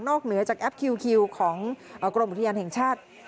เหนือจากแอปคิวของกรมอุทยานแห่งชาติ